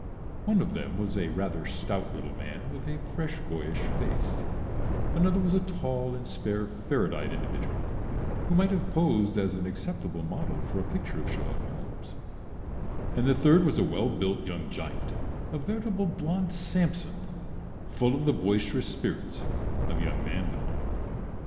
One of them was a rather stout little man, with a fresh, boyish face; another was a tall and spare ferret eyed individual who might have posed as an acceptable model for a picture of Sherlock Holmes; and the third was a well built young giant, a veritable blond Samson, full of the boisterous spirits of young manhood.